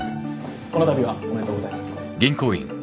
このたびはおめでとうございます